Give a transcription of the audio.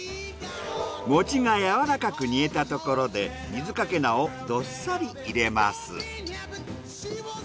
餅がやわらかく煮えたところで水かけ菜をどっさり入れます。